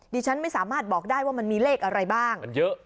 ดิฉันไม่สามารถบอกได้ว่ามันมีเลขอะไรบ้างมันเยอะ